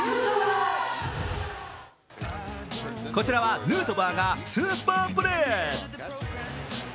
こちらはヌートバーがスーパープレー。